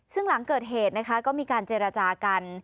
ซึ่งหลังเกิดเหตุนะคะก็มีการเจรจากัน